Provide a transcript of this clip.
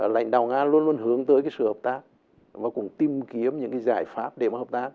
lãnh đạo nga luôn luôn hướng tới cái sự hợp tác và cũng tìm kiếm những cái giải pháp để mà hợp tác